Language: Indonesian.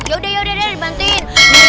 yaudah deh dibantuin